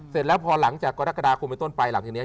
เสร็จแล้วพอหลังจากกรกฎาคมไปต้นไปหลังจากนี้